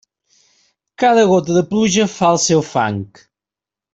Cada gota de pluja fa el seu fang.